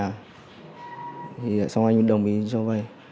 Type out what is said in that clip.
thì sau đó anh huy đồng ý cho vay